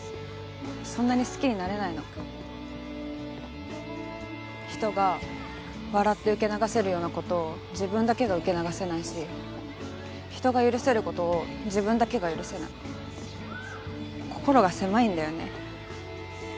そんなに好きになれないの人が笑って受け流せるようなことを自分だけが受け流せないし人が許せることを自分だけが許せない心が狭いんだよね